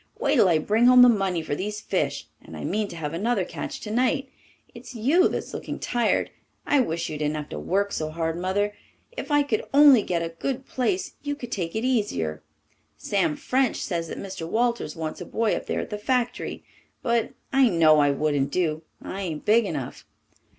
Wait till I bring home the money for these fish. And I mean to have another catch tonight. It's you that's looking tired. I wish you didn't have to work so hard, Mother. If I could only get a good place you could take it easier. Sam French says that Mr. Walters wants a boy up there at the factory, but I know I wouldn't do. I ain't big enough.